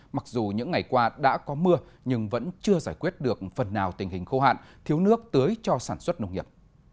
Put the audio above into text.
mặc dù những ngày qua đã có mưa nhưng vẫn chưa giải quyết được phần nào tình hình khô hạn thiếu nước tưới cho sản xuất nông nghiệp